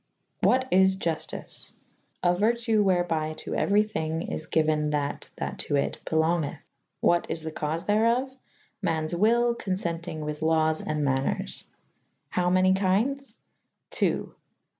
What is Juftice ? A uertu wherby to euery thynge is gyuen that that to it belongyth. / 1; What is the caufe therof ? ma«nes wvll confenting with lawes and maneres /\ how many kyndes ? .ii.''